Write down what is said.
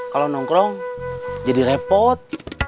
kalau nongkrong jadi repot